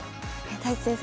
太地先生